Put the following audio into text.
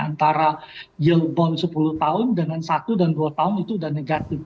antara yield bond sepuluh tahun dengan satu dan dua tahun itu sudah negatif